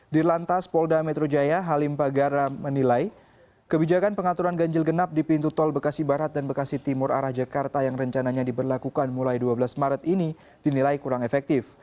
di lantas polda metro jaya halim pagara menilai kebijakan pengaturan ganjil genap di pintu tol bekasi barat dan bekasi timur arah jakarta yang rencananya diberlakukan mulai dua belas maret ini dinilai kurang efektif